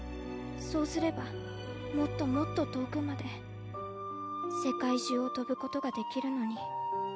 そうすればもっともっととおくまでせかいじゅうをとぶことができるのに。